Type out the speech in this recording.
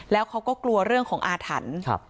แล้วเขาก็กลัวเรื่องของอาถรรพ์